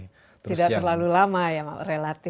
tidak terlalu lama ya relatif